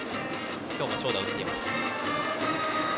今日も長打を打っています。